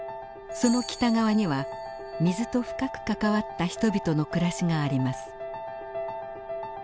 その北側には水と深くかかわった人々の暮らしがあります。